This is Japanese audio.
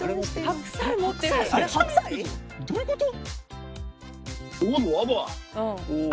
白菜⁉どういうこと？